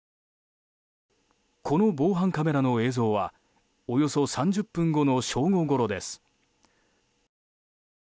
この防犯カメラの映像はおよそ３０分後の正午ごろです。